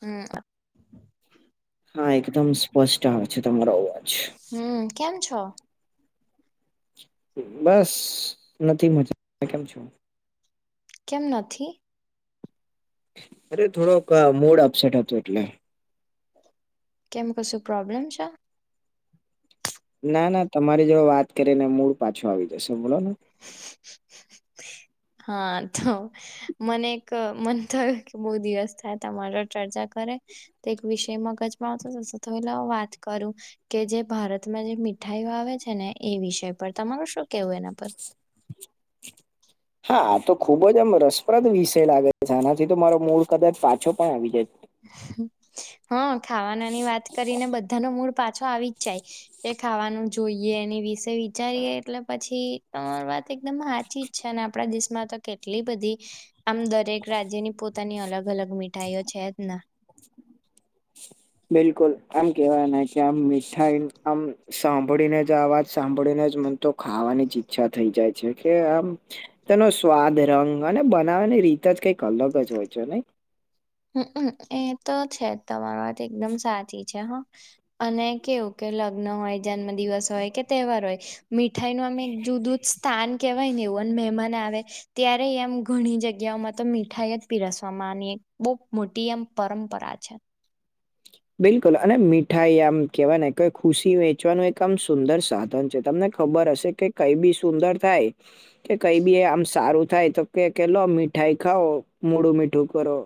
હમ્મ. હા, એકદમ સ્પષ્ટ આવે છે તમારો અવાજ. હમ્મ, કેમ છો? બસ નથી મજા કેમ છો? કેમ નથી? અરે થોડોક અહ મૂડ અપસેટ હતું એટલે. કેમ કશું પ્રોબ્લેમ છે? ના ના તમારી જોડે વાત કરી ને મૂળ પાછો આવી જશે બોલો ને. હા તો મને એક અહ મન થયું કે બહુ દિવસ થાય તમારો ચર્ચા કરે તો એક વિષય મગજમાં આવતો જ તો લાવ વાત કરું. કે જે ભારતમાં જે મીઠાઈઓ આવે છે ને એ વિષય પર તમારું શું કેવું એના પર? હા, તો ખુબ જ આમ રસપ્રદ વિષય લાગે છે આનાથી તો મારો મૂળ કદાચ પાછો પણ આવી જાય. હા, ખાવાનાની વાત કરીને બધાનો મૂળ પાછો આવી જ જાય. એ ખાવાનું જોઈએ એની વિશે વિચારીએ એટલે પછી તમાર વાત એકદમ હાચી જ છે ને આપડા દેશમાં તો કેટ એટલી બધી આમ દરેક રાજ્યની પોતાની અલગ અલગ મીઠાઈઓ છે જ ના. બિલકુલ આમ કેવા ના કે આમ મીઠાઈ આમ સાંભળીને જ અવાજ સાંભળીને જ મ તો ખાવાની જ ઈચ્છા થઈ જાય છે કે આમ તેનો સ્વાદ રંગ અને બનાવાની રીત જ કઈક અલગ જ હોય છે નઈ? હમ્મ અમ્મ એ તો છે જ તમારી વાત એકદમ સાચી છે હા. અને કેવું કે લગ્ન હોય જન્મ દિવસ હોય કે તહેવાર હોય મીઠાઈ નું અમે એક જુદુ જ સ્થાન કે કાઈ ને એવું અને મહેમાન આવે ત્યારે એમ ઘણી જગ્યાઓમાં તો મીઠાઈ જ પીરસવામાંની બહુ મોટી એમ પરંપરા છે. બિલકુલ અને મીઠાઈ આમ કેહેવાય ને ખુશી વેચવાનું એક આમ સુંદર સાધન છે તમને ખબર હશે કે કઈ બી સુંદર થાય કે કઈ બી આમ સારું થાય તો કે કે લો મીઠાઈ ખાવ મોડું મીઠું કરો.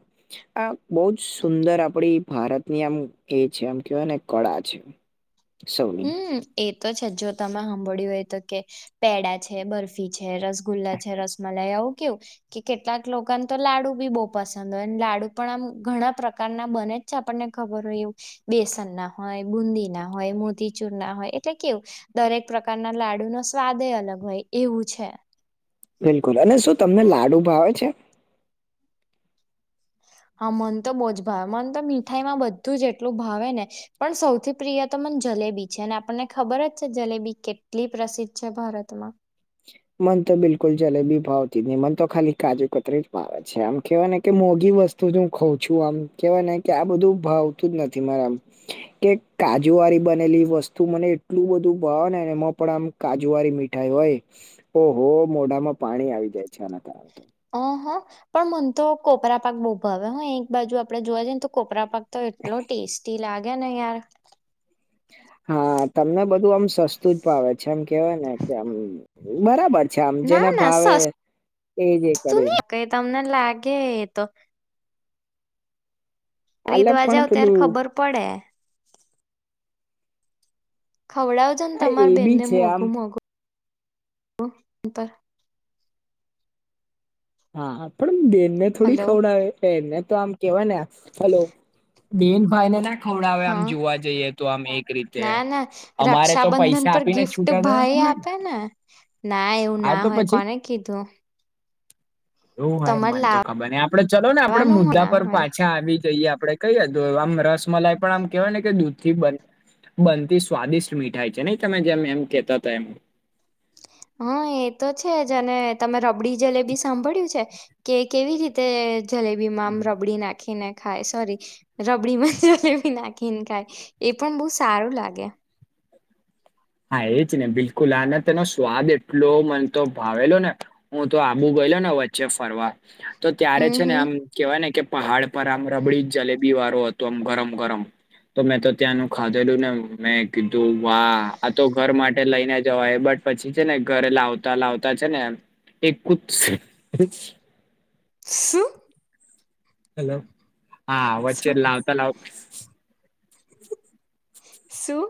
આ બહુ જ સુંદર આપડી એ ભારત નીમ એ છે એમ કેવાય ને કળા છે. સૌની. હમ્મ એ તો છે જો તમે સાંભળ્યું હોય તો કે પેડા છે બરફી છે રસગુલ્લા છે રસમલાઈ આવવું કેવું કે કેટલાક લોકોને તો લાડુ બી બહુ પસંદ હોય લાડુ પણ આમ ઘણા પ્રકારના બને. આપણને ખબર હોય એ બેસન ના હોય બુંદી ના હોય મોતી ચુર ના હોય એટલે કેવું દરેક પ્રકારના લાડુ નો સ્વાદ અલગ હોય એવું છે. બિલકુલ અને શું તમને લાડુ ભાવે છે. હા મન તો બહુ જ ભાવે મન તો મીઠાઈમાં બધું જ એટલું ભાવે ને પણ સૌથી પ્રિય તો મને જલેબી છે અને આપણને ખબર જ છે જલેબી કેટલી પ્રસિદ્ધ છે ભારતમાં મન તો બિલકુલ જલેબી ભાવતી જ નહી મન તો ખાલી કાજુ કતરી જ ભાવે છે આમ કેહેવાય ને કે મોઘી વસ્તુ હું ખઉં છું આમ કેવાય ને કે આ બધું ભાવતું જ નથી મારા આમ કે કાજુ વાળી બનેલી વસ્તુ મને એટલું બધું ભાવ ને એમાં પણ આમ કાજુવાળી મીઠાઈ હોય ઓ હો મોઢામાં પાણી આવી જાય છે આના કારણે તો હ હા પણ મન તો કોપરા પાક બહુ ભ હ હ એક બાજુ આપડે જોવા જઈએ ને તો કોપરા પાક તો. એટલો ટેસ્ટી લાગે ને યાર હા તમને બધું આમ સસ્તું જ પાવે છે આમ કેવાય ને કે આમ બરાબર છે આમ ના જેને ના ભાવે સસ્તું એજ એ કર નહી કઈ તમને લાગે તો અલ ખરીદવા પણ જાવ ત્યારે પેલું ખબર પડે. ખવડાવજો ને હા તમાર એ બી બેનને છે આમ મોંઘું મોઘું હા પણ બેન ને થોડી હલો ખવડાવે ેને તો આમ કેવાય ને હલો બિન હોઈએ ના ખવડાવે આમ હા જોવા જઈએ તો આમ એક રીતે ના ના અમારે તો રક્ષાબંધન પૈસા પર આપીને ગિફ્ટ છૂટા થવાનું ભાઈ હોય. આપે ને ના એવું હા ના તો હોય પછી કોને કીધું. તો હાઈ તમારે મને તો ખબર આપડે ચલો ને આપડે લાવવાનું મુદ્દા ના પર હોય પાછા આવી જઈએ આપડે કઈ દ આમ રસમલાઈ પણ આમ કેહેવાય ને કે દૂધ થી બને. બનતી સ્વાદિષ્ટ મીઠાઈ છે નહી તમે જેમ એમ કેતા હતા એમ. હા એ તો છે જ અને તમે રબડી જલેબી સાંભળ્યું છે કે. કેવી રીતે જલેબી માં આમ રબડી નાખીને. ખાય સોરી રબડી મજ ભી નાખીને ખાય એ પણ બહુ સારું લાગે. હા એજ ને બિલકુલ આને તેનો સ્વાદ એટલો મને તો ભાવેલો ને. હું તો આબુ ગયલો ને વચ્ચે ફરવા તો ત્યારે હમ છે ને હમ આમ. કેવાય ને કે પહડ પર આમ રબડી જ જલેબી વાળો હતો આમ ગરમ ગરમ. તો મેં તો ત્યાંનું ખાધેલું ને મેં કીધું વા આ તો ઘર માટે લઈને જવાય બટ પછી છે ને ઘરે લાવતા લાવતા છે ને એ એક જ. [unintelligible] શું હેલો હા વચ્ચે શું લાવતા લાવ શું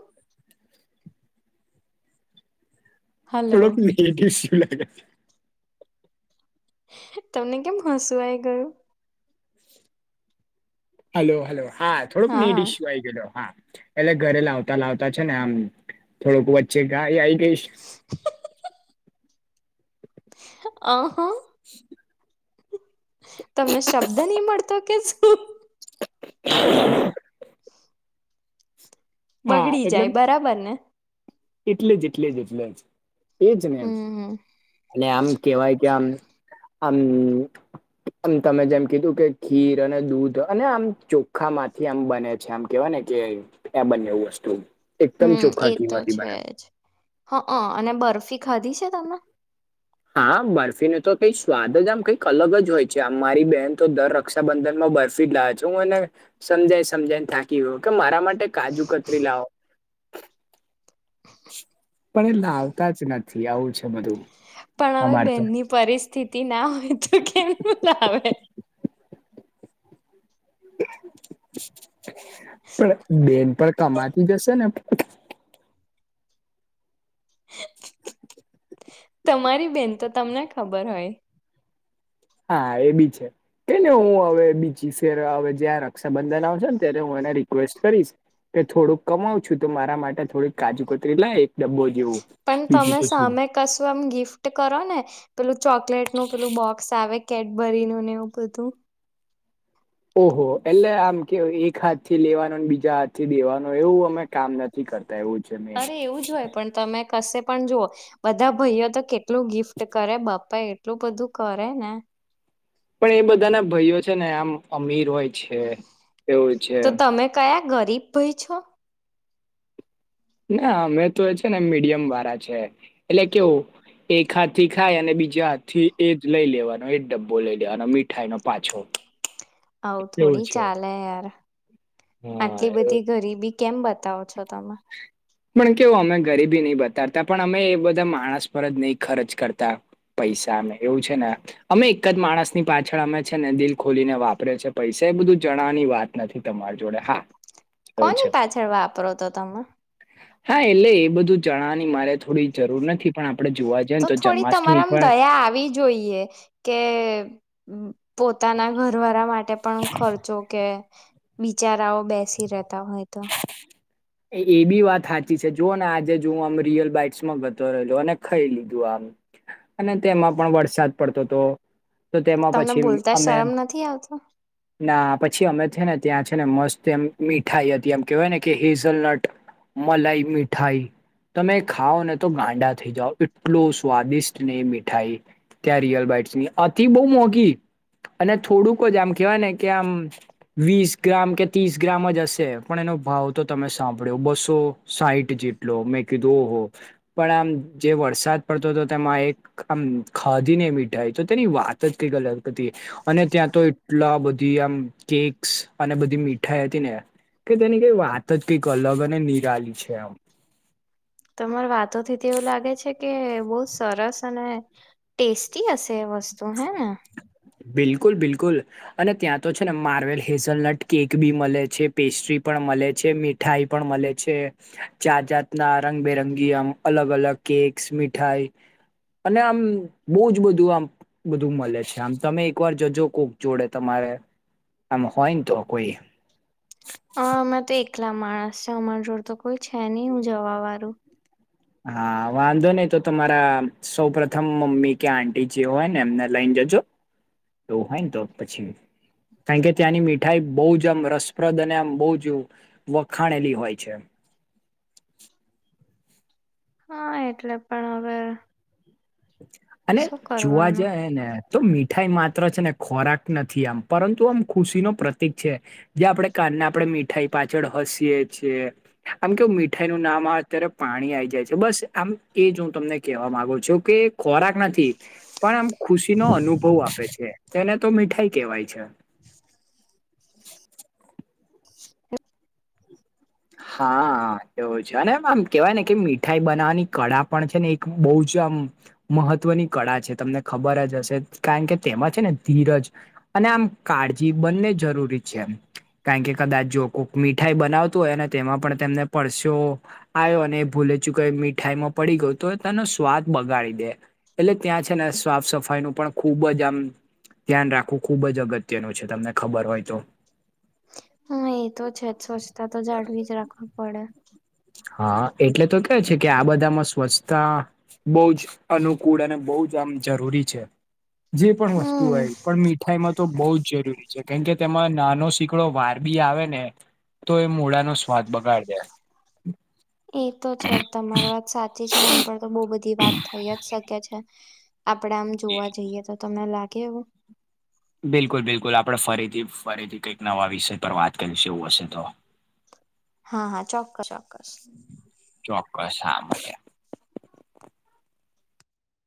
હલો થોડોક [unintelligible] તમે કેમ હસું આઈ ગયું હલો હલો હા થોડોક ની ડીશ હોયે હા એટલે ઘરે લાવતા લાવતા છે ને આમ થોડુંક વચ્ચે ગાય આવી ગઈશ. [inaudible] અ હ [inaudible] તમને શબ્દ નહી મળતો કે શું. [inaudible] હા બગડી એટલે જાય બરાબર ને. એટલે જ એટલે જ એટલે જ એજ ને હમ હમ અને આમ કેવાય કે આમ આમ આમ તમે જેમ કીધું કે ખીર અને દૂધ અને આમ ચોખામાંથી આમ બને છે આમ કેવા ને કે ત્યાં બંને એ વસ્તુ એકદમ ચોખા ઘી મા બને. હાક અને બરફી ખાધી છે તમે? હા બર્ફી ન તો કઈક સ્વાદ જ આમ કઈક અલગ જ હોય છે આ મારી બેહેન તો દર રક્ષાબંધન માં બર્ફીટ લાવ છું હું ને સમજાય સમજાયને થાકી ગયો કે મારા માટે ટે કાજુ કતરી લાવો. પણ એ લાવતા જ નથી આવું છે બધું. પણ હવે અમાર તો બેનની પરિસ્થિતિ ના હોય તો કેમ ના આવે? પણ બેન પણ કમાતી જ હશે ને? તમારી બેન તો તમને ખબર હોય. હા એ બી છે. કેને હું હવે બીજી ફેર હવે જ્યાં રક્ષાબંધન આવશે ને ત્યારે હું એને રિક્વેસ્ટ કરીશ. કે થોડુંક કમાવું છું તો મારા માટે થોડીક કાજુકોતરી લાય એક ડબ્બો જેવું બીજું તો શું. કસવમ ગિફ્ટ કરો ને પેલું ચોકલેટ નું પેલું બોક્સ આવે કેડબરી નું ને એવું બધું. ઓહો એટલે આમ કે એક હાથથી લેવાનો બીજા હાથ થી દેવાનું એવું અમે કામ નથી કરતા એવું. છે મેન. અરે એવું જ હોય પણ તમે કશે પણ જોઓ બધા ભાઈઓ તો કેટલું ગિફ્ટ કરે બાપા એટલું બધું કરે ને પણ એ બધાના ભાઈઓ છે ને આમ અમીર હોય છે એવું છે. તો તમે કયા ગરીબ ભાઈ છો? ના અમે તો એ છે ને મીડિયમ વાળા છે એટલે કેવું એક હાથ થી ખાય અને બીજા હાથ થી એ જ લઈ લેવાનો એ જ ડબ્બો લઈ લેવાનો મીઠાઈ નો પાછો. આવું એવું થોડી છે. ચાલે યાર, હા આટલી એવું બધી ગરીબી કેમ બતાવો છો તમે? પણ કેવું અમે ગરીબી નહી બતાતા પણ અમે એ બધા માણસ પર જ નહી ખર્ચ કરતા. પૈસાને એવું છે ને અમે એક જ માણસ ની પાછળ અમે છે ને દિલ ખોલીને વાપરે છે પૈસા એ બધું જણાવાની વાત નથી તમારી. જોડે હા એવું છે કોની પાછળ વાપરો તો તમે? હા એટલે એ બધું જાણવાની મારે થોડી જરૂર નથી પણ આપણેે જોવા જઈએ ને તો થોડી જન્માષ્ટમી તમારામાં પણ દયા આવી જોઈએ કે પોતાના ઘરવાળા માટે માટે પણ ખર્ચો કે બિચારાઓ બેસી રહેતા હોય તો. એ બી વાત સાચી છે જોઓ ને આજે હું આમ રિયલ બાઈટ્સમાં ગતો રહેલો અને ખાઈ લીધું આમ. અને તેમાં પણ વરસાદ પડતો હતો. તો તેમાં તમને પછી બોલતા અમે શરમ નથી આવતો ના પછી અમે છે ને ત્યાં છે ને મસ્ત એમ મીઠાઈ હ તી એમ કેહેવાય ને કે હેઝલનટ મલાઈ મીઠાઈ. તમે ખાઓ ને તો ગાંડા થઈ જાઓ એટલું સ્વાદિષ્ટ ને એ મીઠાઈ. ત્યાં રિયલ બાઈટની અતી બહુ મોંઘી અને થોડુંક જ આમ કેહેવાય ને કે આમ વીસ ગ્રામ કે ત્રીસ ગ્રામ જ હશે. પણ એનો ભાવ તો તમે સાંભળ્યો બસો સાહીઠ જેટલો મેં કીધું ઓહો. પણ આમ જે વરસાદ પડતો હતો તેમાં એક આમ ખાધીને મીઠાઈ તો તેની વાત જ કઈ અલ હતી. અને ત્યાં તો એટલા બધી આમ કેક્સ અને બધી મીઠાઈ હતી ને. કે તેની કઈ વાત જ કઈક અલગ ને નિરાલી છે આમ. તો તમારે વાતો થી તે એવું લાગે છે કે બહુ સરસ અને ટેસ્ટી હશે એ વસ્તુ હેને? બિલકુલ બિલકુલ. અને ત્યાં તો છે ને માર્વેલ હેઝલનટ કેક બી મળે છે પેસ્ટ્રી પણ મળે છે. મીઠાઈ પણ મળે છે જાત જાતના રંગબેરંગી આમ અલગ અલગ કેક્સ મીઠાઈ અને આમ બહુ જ બધું આમ બધું મળે છે આમ તમે એકવાર જજો કોક જોડે તમારે આમ હોય ને તો કોઈ અમાં તો એકલા માણસ છે અમારી જોડ તો કોઈ છે નહી હું જવા વાળું હા વાંધો નહી તો તમારા સૌ પ્રથમ મમ્મી કે આંટીી જે હોય ને એમને લઈને જજો તોું હોય ને તો પછી કારણ કે ત્યાંની મીઠાઈ બહુ જ આમ રસપ્રદ અને આમ બહ જવું વખાણેલી હોય છે. હા એટલે પણ હવે અને શું જોવા કરવાનું જાય ને તો મીઠાઈ માત્ર છે ને ખોરાક નથી આમ પરંતુ આમ ખુશી ન પ્રતિક છે. જે આપણે કાનને આપણેે મીઠાઈ પાછળ હસીયએ છીએ આમ કેવું મીઠાઈ નું નામ આ અત્યારે પાણી આઈ જાય છે બસ આમ એ જ હું તમને કેહેવા માંગુ છું કે ખોરાક નથી પણ આમ ખુશી નો અનુભવ આપે છે. તેને તો મીઠાઈ કેવાય છે. હા એવું છે અને આમ કેવાય ને કે મીઠાઈ બનાવવાની કળા પણ છે ને એક બહ જ આમ મહત્વની કળા છે તમને ખબર જ હશે કારણ કે તેમાં છે ને ધીરજ અને આમ કાળજી બંને જરૂરી છે એમ કારણ કે કદાચ જો કોઈક મીઠાઈ બનાવતું હોય ને તેમાં પણ તેમને પરસેઓ આવ્યો અને એ ભૂલે ચું કે મીઠાઈમાં પડી ગયું તો તેનો સ્વાદ બગાડી દે એટલે ત્યાં છે ને સાફ સફાઈ ન પણ ખુબ જ આમ ધ્યાન રાખવું ખુબ જ અગત્યનું છે તમને ખબર હોય તો-' હા એ તો છે જ સ્વચ્છતા તો જાળવી જ રાખવી પડે હા એટલે તો કે છે કે આ બધામાં સ્વચ્છતા બહ જ અનુકૂળ અને બહ જ આમ જરૂરી છે જે પણ વસ્તુ હમ હોય પણ મી ાઈ તો બહ જરૂરી છે કેમ કે તેમાં નાનો સીકડો વાર બી આવે ને તો એ મૂળા નો સ્વાદ બગાડ દે એ તો છે જ તમારી વાત સાચી છે ને અનપળ તો બહુ બધી વાત થઈ જ શકે છે. આપડ આમ જોવા જઈએ તો તમને લાગે એવુ બિલકુલ બિલકુલ આપડણે ફરીથી ફરીથી કંઈક નવા વિષય પર વાત કરીશ એવું હશે તો હા હા ચોક્કસ ચોક્કસ ચોક્કસ સહા મલીયા